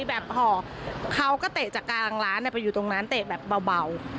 แบบห่อเขาก็เตะจากกลางร้านไปอยู่ตรงนั้นเตะแบบเบา